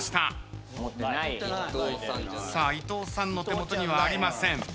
伊藤さんの手元にはありません。